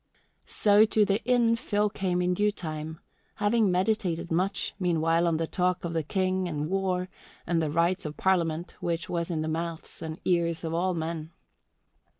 So to the inn Phil came in due time, having meditated much, meanwhile, on the talk of the King and war and the rights of Parliament, which was in the mouths and ears of all men.